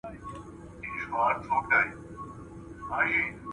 کتابتونونه د علمي پرمختګ لپاره وکاروئ.